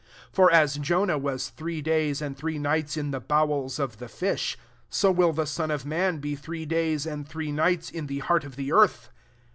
40 For as Jonah was three days and three nights in the bowels of the fish, so will the Son of man be three days and three nights in the heart of the earth.